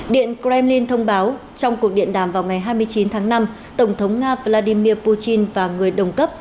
điện kremlin thông báo trong cuộc điện đàm vào ngày hai mươi chín tháng năm tổng thống nga vladimir putin và người đồng cấp